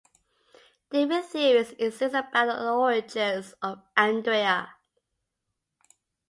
Different theories exist about the origins of Andria.